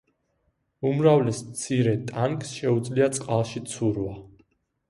უმრავლეს მცირე ტანკს შეუძლია წყალში ცურვა.